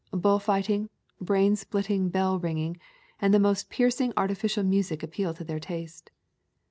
Bull fighting, brain splitting bell ringing, and the most piercing artificial music appeal to their taste.